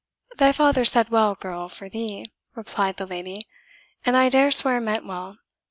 "Thy father said well, girl, for thee," replied the lady, "and I dare swear meant well.